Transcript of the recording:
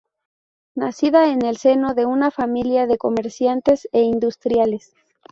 Nacida en el seno de una familia de comerciantes e industriales.